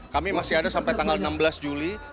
kami masih ada sampai tanggal enam belas juli